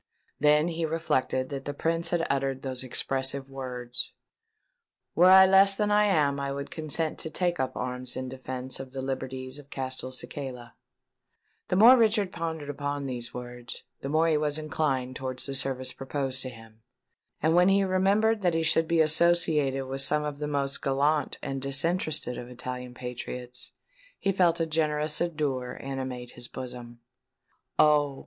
Then he reflected that the Prince had uttered those expressive words, "Were I less than I am, I would consent to take up arms in defence of the liberties of Castelcicala." The more Richard pondered upon these words, the more was he inclined towards the service proposed to him; and when he remembered that he should be associated with some of the most gallant and disinterested of Italian patriots, he felt a generous ardour animate his bosom. "Oh!